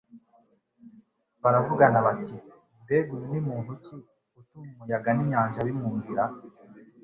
Baravugana bati : "Mbega uyu ni muntu ki utuma umuyaga n'inyanja bimwumvira?"